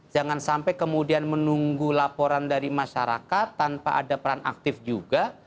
jangan sampai kemudian menunggu laporan dari masyarakat tanpa ada peran aktif juga